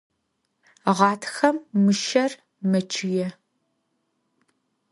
Ğatxem mışser meççıê.